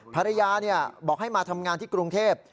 ภรรยาบอกให้มาทำงานที่กรุงเทพ